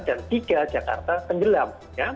dan tiga jakarta tenggelam